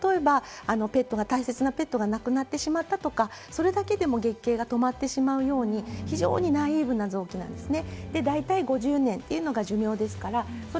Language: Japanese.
ですけれども卵巣は例えばペットが大切なペットが亡くなってしまったときとか、それだけでも月経が止まってしまうように、非常にナイーブな臓器なんですね。